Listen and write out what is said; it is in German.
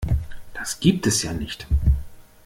Das gibt es ja nicht!